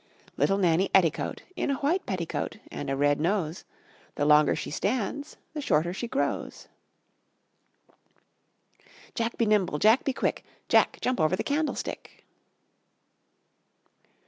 Little Nanny Etticoat In a white petticoat, And a red nose; The longer she stands The shorter she grows. Jack, be nimble; Jack, be quick; Jack, jump over the candlestick.